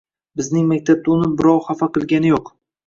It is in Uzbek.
Bizning maktabda uni birov xafa qilgani yoʻq.